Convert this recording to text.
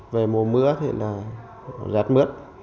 về mùa mưa thì là rát mướt